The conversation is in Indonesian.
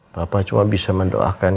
papa cuma bisa mendoakan